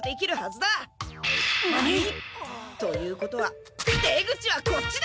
何？ということは出口はこっちだ！